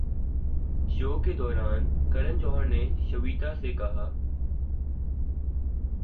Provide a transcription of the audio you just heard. شو کے دوران کرن جوہر نے شویتا سے کہا